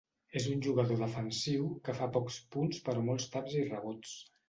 És un jugador defensiu que fa pocs punts però molts taps i rebots.